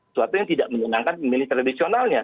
suatu yang tidak menyenangkan pemilih tradisionalnya